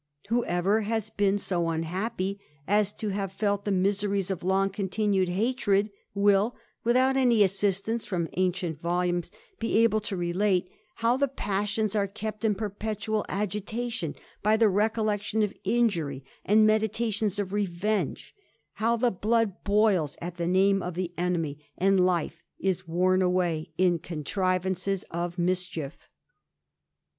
Whoever has been yO unhappy as to have felt the miseries of long continueci hatred, will, without any assistance from ancient volumes* be able to relate how the passions are kept in perpetu^J agitation, by the recollection of injury and meditations o* revenge : how the blood boils at the name of the enemy> and life is worn away in contrivances of mischief.